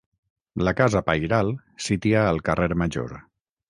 La casa pairal, sítia al carrer Major.